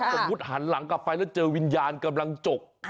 ถ้าสมมุติหันหลังกลับไปแล้วเจอวิญญาณกำลังจก